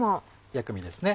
薬味ですね。